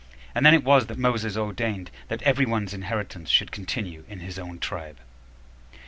And then it was that Moses ordained, that every one's inheritance should continue in his own tribe.